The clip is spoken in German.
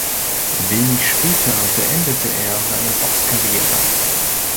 Wenig später beendete er seine Boxkarriere.